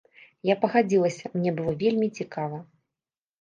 Я пагадзілася, мне было вельмі цікава.